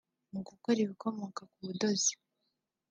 Mu gukora ibikomoka ku budozi